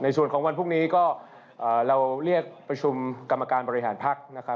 ส่วนของวันพรุ่งนี้ก็เราเรียกประชุมกรรมการบริหารภักดิ์นะครับ